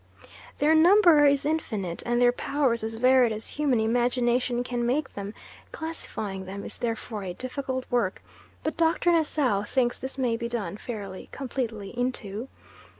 Their number is infinite and their powers as varied as human imagination can make them; classifying them is therefore a difficult work, but Doctor Nassau thinks this may be done fairly completely into: 1.